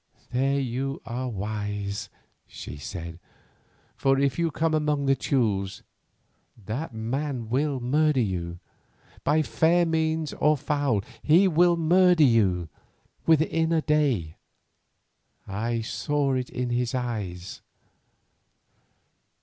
"There you are wise," she said, "for if you come among the Teules that man will murder you; by fair means or foul he will murder you within a day, I saw it in his eyes.